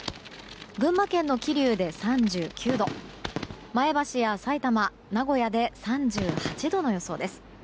群馬県の桐生で３９度前橋やさいたま、名古屋で３８度の予想です。